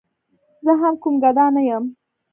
زه هم کوم ګدا نه یم.